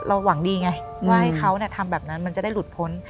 หวังดีไงว่าให้เขาทำแบบนั้นมันจะได้หลุดพ้น